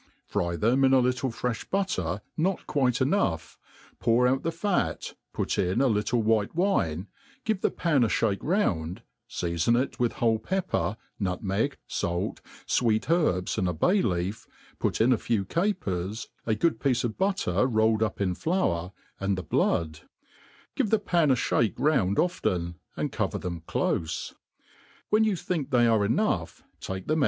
Fry them in a little freih butter not quite enough, pour out the fat^ put m a little white wine, give the pan a make round, ftafon it with whole pepper, nutmeg, fait, fweet herbs ind a bay leaf, put irx 9 few capers, a good piece of butter rolled up in flour, and the blood ; give the pan a (hake round often, and cover them clofe. When you think they are enough take them